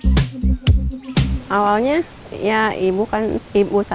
sari membuatkan bentuk tanah yang terbaik untuk menjaga kemampuan tanaman